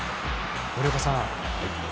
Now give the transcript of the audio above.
森岡さん